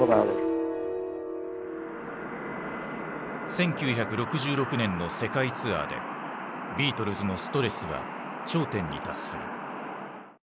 １９６６年の世界ツアーでビートルズのストレスは頂点に達する。